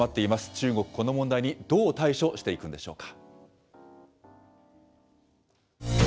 中国、この問題にどう対処していくんでしょうか。